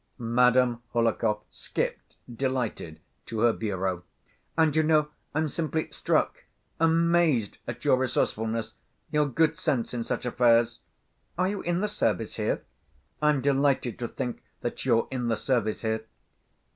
Madame Hohlakov skipped, delighted, to her bureau. "And you know I'm simply struck, amazed at your resourcefulness, your good sense in such affairs. Are you in the service here? I'm delighted to think that you're in the service here!"